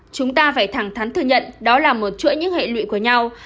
chúng ta phải thẳng thắn thừa nhận đó là một chuỗi những hệ lụy của nhau